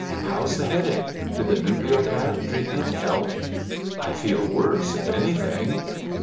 "How's the headache? Did the Nucleocat treatment help?" "I feel worse, if anything."